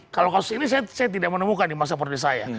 kalau kasus ini saya tidak menemukan di masa pandemi saya